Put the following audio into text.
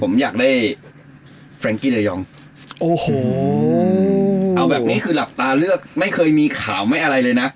ผมอยากได้แฟรงกี้ระยองโอ้โหเอาแบบนี้คือหลับตาเลือกไม่เคยมีข่าวไม่อะไรเลยนะ